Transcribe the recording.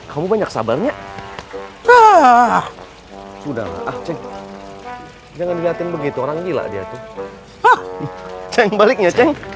kamu banyak sabarnya ah sudah ah jangan lihatin begitu orang gila dia tuh baliknya